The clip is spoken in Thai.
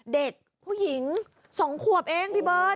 เด็กผู้หญิง๒ขวบเองพี่เบิร์ต